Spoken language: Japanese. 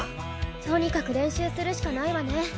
とにかく練習するしかないわね。